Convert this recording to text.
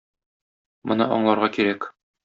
Моны аңларга кирәк.